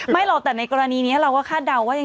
หรอกแต่ในกรณีนี้เราก็คาดเดาว่า